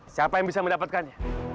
siapa yang bisa mendapatkannya